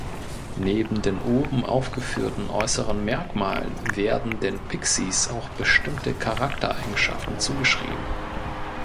Neben den oben aufgeführten äußeren Merkmalen werden den "pixies" auch bestimmte Charaktereigenschaften zugeschrieben.